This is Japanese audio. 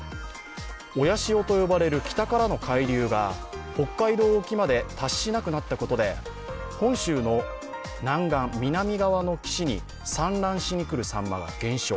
親潮と呼ばれる北からの海流が北海道沖まで達しなくなったことで本州の南岸に産卵しに来るさんまが減少。